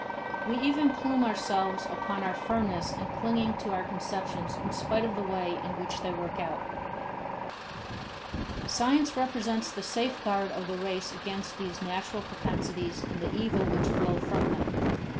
We even plume ourselves upon our firmness in clinging to our conceptions in spite of the way in which they work out. Science represents the safeguard of the race against these natural propensities and the evils which flow from them.